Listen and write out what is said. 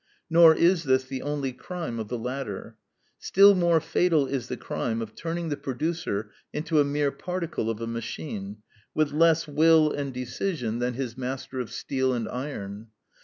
Nor is this the only crime of the latter. Still more fatal is the crime of turning the producer into a mere particle of a machine, with less will and decision than his master of steel and iron.